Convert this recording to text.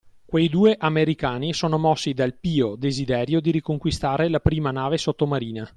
Quei due americani sono mossi dal pio desiderio di riconquistare la prima nave sottomarina